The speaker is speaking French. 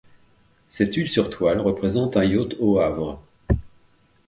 Cette huile sur toile représente un yacht au Havre.